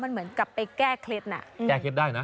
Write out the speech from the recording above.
มันเหมือนกับไปแก้เคล็ดน่ะแก้เคล็ดได้นะ